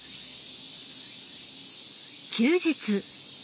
休日。